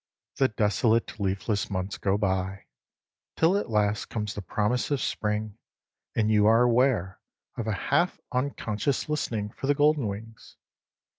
The desolate leafless months go by, till at last comes the promise of spring, and you are aware of a half unconscious listening for the golden wings.